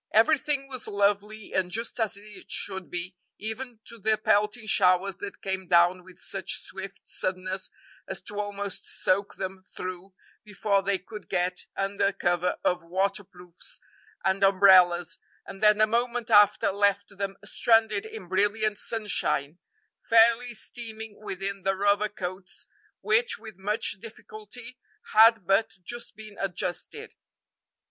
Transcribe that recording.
Everything was lovely and just as it should be, even to the pelting showers that came down with such swift suddenness as to almost soak them through before they could get under cover of waterproofs and umbrellas, and then a moment after left them stranded in brilliant sunshine, fairly steaming within the rubber coats which, with much difficulty, had but just been adjusted.